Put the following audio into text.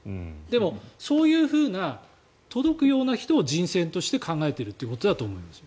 でも、そういうふうな届くような人を人選として考えているということだと思います。